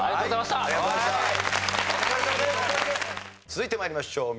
続いて参りましょう。